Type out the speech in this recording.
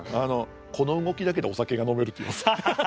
「この動きだけでお酒が飲める」って言います。